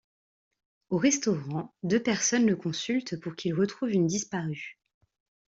Au restaurant, deux personnes le consultent pour qu'il retrouve une disparue.